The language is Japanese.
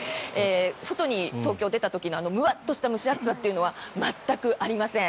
外に東京、出た時のムワッとした蒸し暑さは全くありません。